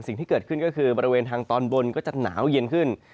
สิ่งที่เกิดขึ้นก็คือบริเวณทางตอนบนก็จะหนาวเย็นขึ้น